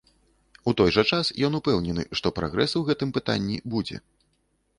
У той жа час ён упэўнены, што прагрэс у гэтым пытанні будзе.